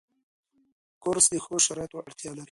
کورس د ښو شرایطو اړتیا لري.